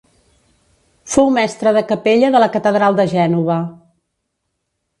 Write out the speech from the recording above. Fou mestre de capella de la catedral de Gènova.